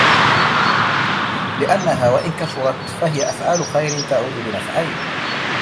لِأَنَّهَا وَإِنْ كَثُرَتْ فَهِيَ أَفْعَالُ خَيْرٍ تَعُودُ بِنَفْعَيْنِ